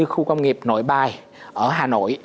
khu công nghiệp nội bài ở hà nội